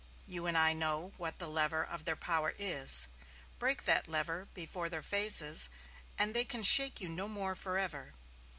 You and I know what the lever of their power is. Break that lever before their faces, and they can shake you no more forever....